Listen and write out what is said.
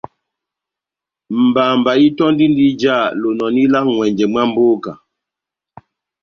Mbamba itöndindi ijá lonòni lá n'ŋwɛnjɛ mwa mboka.